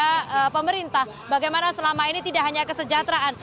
kepada pemerintah bagaimana selama ini tidak hanya kesejahteraan